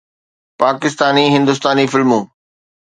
پاڪستاني، هندستاني فلمون